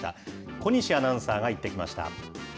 小西アナウンサーが行ってきました。